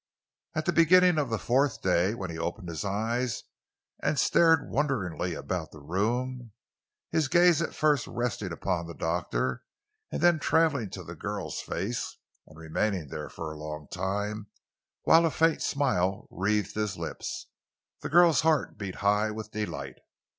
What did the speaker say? And at the beginning of the fourth day, when he opened his eyes and stared wonderingly about the room, his gaze at first resting upon the doctor, and then traveling to the girl's face, and remaining there for a long time, while a faint smile wreathed his lips, the girl's heart beat high with delight.